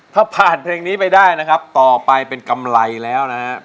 ถ้าผ่านเพลงนี้ไปได้นะครับต่อไปเป็นกำไรแล้วนะครับ